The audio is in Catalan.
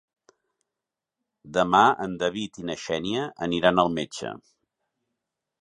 Demà en David i na Xènia aniran al metge.